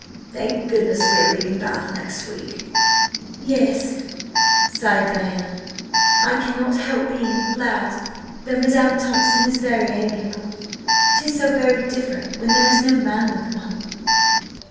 Thank goodness we are leaving Bath next week!" "Yes," sighed Diana. "I cannot help being glad, though Madam Thompson is very amiable! 'Tis so very different when there is no man with one!"